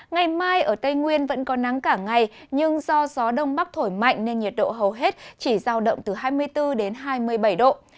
ngày mai ở tây nguyên vẫn có nắng cả ngày nhưng do gió đông bắc thổi mạnh nên nhiệt độ hầu hết chỉ giao động từ hai mươi bốn đến hai mươi bảy độ